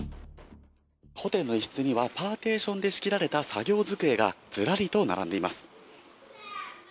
ホテルの一室には、パーテーションで仕切られた作業机がずらりと並んでいます。